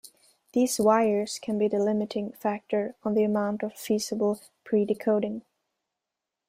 These wires can be the limiting factor on the amount of feasible predecoding.